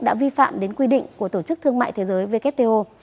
đã vi phạm đến quy định của tổ chức thương mại thế giới wto